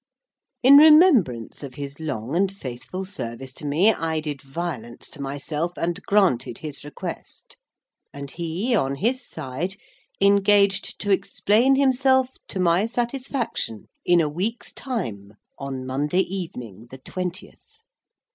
In remembrance of his long and faithful service to me, I did violence to myself, and granted his request. And he, on his side, engaged to explain himself to my satisfaction, in a week's time, on Monday evening the twentieth.